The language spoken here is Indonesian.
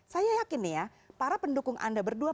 saya yakin nih ya para pendukung anda berdua